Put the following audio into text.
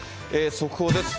速報です。